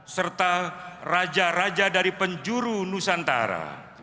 serta raja raja dari penjuru nusantara